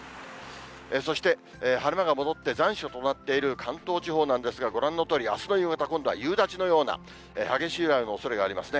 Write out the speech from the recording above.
そして、晴れ間が戻って残暑となっている関東地方なんですが、ご覧のとおり、あすの夕方、今度は夕立のような、激しい雷雨のおそれがありますね。